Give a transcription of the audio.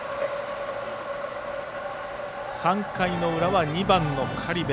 ３回の裏は２番の苅部。